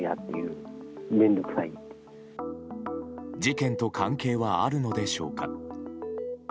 事件と関係はあるのでしょうか。